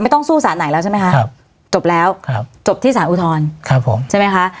ต้องสู้สารไหนแล้วใช่ไหมคะครับจบแล้วครับจบที่สารอุทธรณ์ครับผมใช่ไหมคะ